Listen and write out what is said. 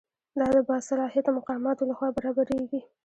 دا د باصلاحیته مقاماتو لخوا برابریږي.